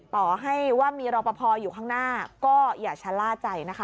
ต่อให้ว่ามีรอปภอยู่ข้างหน้าก็อย่าชะล่าใจนะคะ